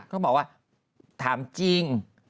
เขาบอกว่าถามจริง